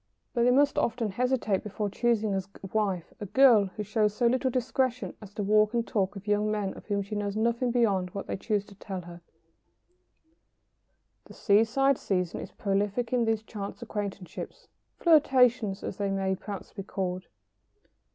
] But they must often hesitate before choosing as wife a girl who shows so little discretion as to walk and talk with young men of whom she knows nothing beyond what they choose to tell her. [Sidenote: Seaside "Flirtations."] The seaside season is prolific in these chance acquaintanceships "flirtations," as they may perhaps be called.